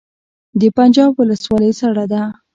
د پنجاب ولسوالۍ سړه ده